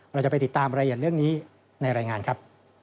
เราจะไปติดตามรายละเอียดเรื่องนี้ในรายงานครับ